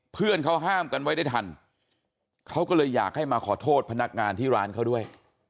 เพื่อนเขาห้ามกันไว้ได้ทันเขาก็เลยอยากให้มาขอโทษพนักงานที่ร้านเขาด้วย